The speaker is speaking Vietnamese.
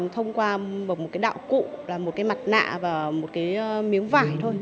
thông qua một cái đạo cụ là một cái mặt nạ và một cái miếng vải thôi